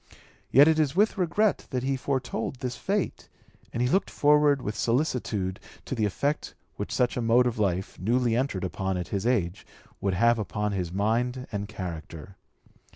Yet it was with regret that he foretold this fate, and he looked forward with solicitude to the effect which such a mode of life, newly entered upon at his age, would have upon his mind and character.